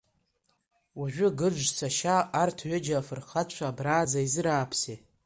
Уажәы Гыџ сашьа, арҭ ҩыџьа афырхацәа абраанӡа изырааԥсеи?